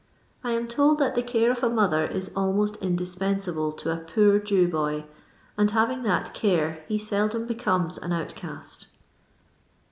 1 am told that the care of a mother is almost indispensable to a poor Jew boy, and hiviiig that care he seldom becomes ;in outcast.